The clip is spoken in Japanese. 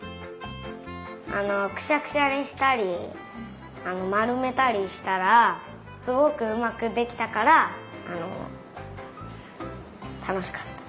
あのくしゃくしゃにしたりまるめたりしたらすごくうまくできたからあのたのしかった。